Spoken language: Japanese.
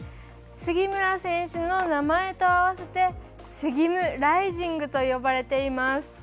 杉村選手の名前と合わせてスギムライジングと呼ばれています。